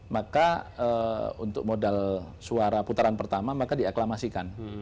maka untuk modal suara putaran pertama maka diaklamasikan